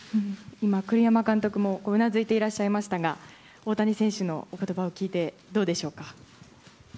栗山監督もうなずいていましたが大谷選手の言葉を聞いてどうでしょうか。